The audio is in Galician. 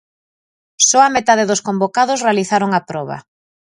Só a metade dos convocados realizaron a proba.